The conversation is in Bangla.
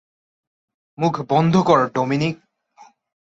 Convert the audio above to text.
মুখ বন্ধ কর ডমিনিক!